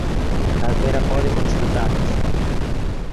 Calquera pode consultalos.